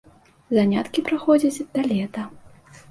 Заняткі праходзяць да лета.